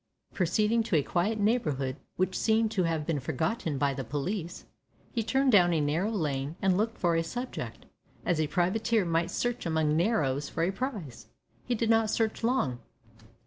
Proceeding to a quiet neighbourhood which seemed to have been forgotten by the police, he turned down a narrow lane and looked out for a subject, as a privateer might search among "narrows" for a prize. He did not search long.